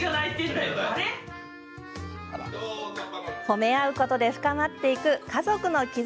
褒め合うことで深まっていく家族の絆。